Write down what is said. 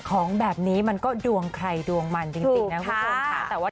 ของแบบนี้มันก็ดวงใครดวงมันจริงนะครับ